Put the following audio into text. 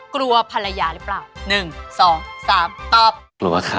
กลัวภรรยาหรือเปล่า